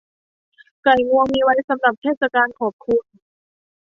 ไก่งวงมีไว้สำหรับเทศกาลขอบคุณ